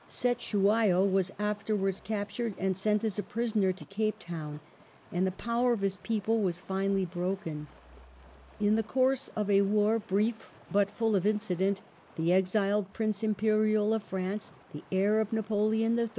Cetewayo was afterwards captured and sent as a prisoner to Cape Town and the power of his people was finally broken. In the coui"se of a war, brief but full of incident, the exiled Prince Imperial of France, the heir of Napoleon III.